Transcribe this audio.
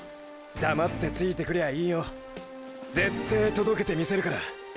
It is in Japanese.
黙ってついてくりゃあいいよ。ぜってー届けてみせるから。